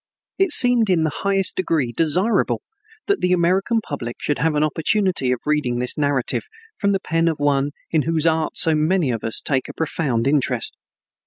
It seemed in the highest degree desirable that the American public should have an opportunity of reading this narrative from the pen of one in whose art so many of us take a profound interest.